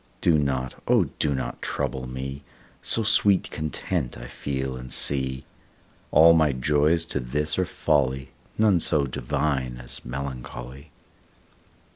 Do not, O do not trouble me, So sweet content I feel and see. All my joys to this are folly, None so divine as melancholy.